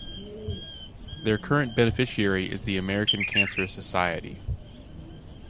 Their current beneficiary is the American Cancer Society.